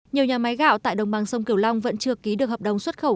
nhiều nhà máy gạo tại đồng bằng sông kiều long vẫn chưa ký được hợp đồng xuất khẩu